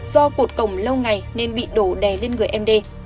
do cột cổng lâu ngày nên bị đổ đè lên người md